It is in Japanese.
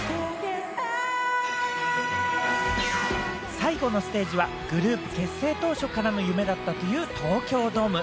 最後のステージはグループ結成当初からの夢だったという東京ドーム。